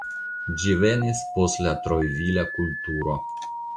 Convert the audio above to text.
Ĝi venis post la Trojvila kulturo.